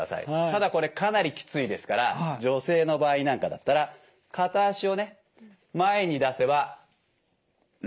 ただこれかなりきついですから女性の場合なんかだったら片足をね前に出せば楽になります。